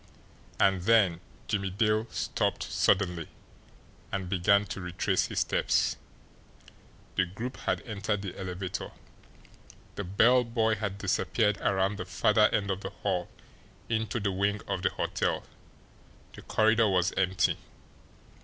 And then Jimmie Dale stopped suddenly, and began to retrace his steps. The group had entered the elevator, the bell boy had disappeared around the farther end of the hall into the wing of the hotel the corridor was empty.